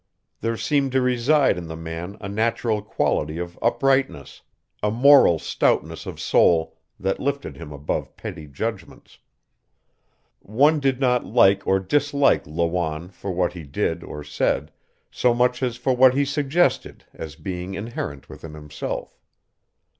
There seemed to reside in the man a natural quality of uprightness, a moral stoutness of soul that lifted him above petty judgments. One did not like or dislike Lawanne for what he did or said so much as for what he suggested as being inherent within himself.